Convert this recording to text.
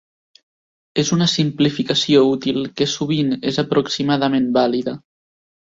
És una simplificació útil que sovint és aproximadament vàlida.